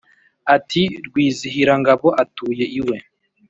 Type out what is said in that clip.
Ati : Rwizihirangabo atuye iwe